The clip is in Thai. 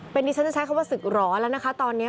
เป็นดิฉันจะใช้คำว่าศึกร้อนแล้วนะคะตอนนี้